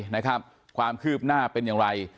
นะครับความคืบหน้าเป็นอย่างไร